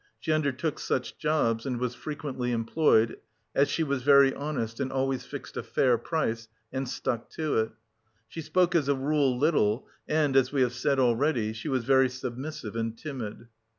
She undertook such jobs and was frequently employed, as she was very honest and always fixed a fair price and stuck to it. She spoke as a rule little and, as we have said already, she was very submissive and timid.